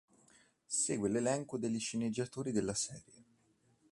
Segue l'elenco degli sceneggiatori della serie.